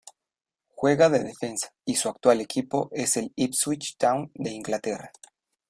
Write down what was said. Juega de defensa y su actual equipo es el Ipswich Town de Inglaterra.